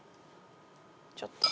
ちょっと。